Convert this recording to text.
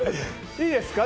いいですか。